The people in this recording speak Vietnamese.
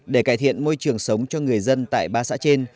để cải thiện môi trường sống cho người dân tại ba xã trên